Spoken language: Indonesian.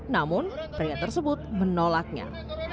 namun pria tersebut menolaknya